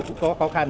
cũng có khó khăn